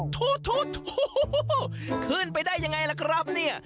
ถูขึ้นไปได้ยังไงล่ะครับเนี่ย